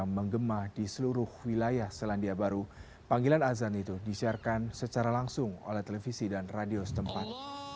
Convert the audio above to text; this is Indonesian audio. pembelian baru panggilan azan itu disiarkan secara langsung oleh televisi dan radio setempat